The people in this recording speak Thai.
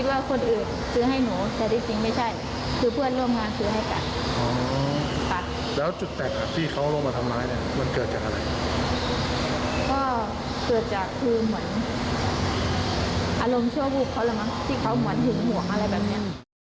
อารมณ์ชั่วผู้เขาแหละมั้งที่เขาเหมือนถึงห่วงอะไรแบบนี้